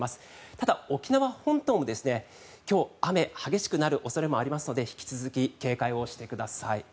ただ、沖縄本島も今日、雨が激しくなる恐れもありますので引き続き警戒してください。